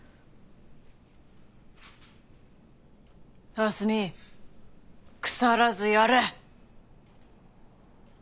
蓮見腐らずやれ！